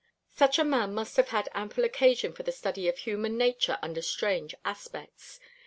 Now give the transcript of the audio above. Such a man must have had ample occasion for the study of human nature under strange aspects.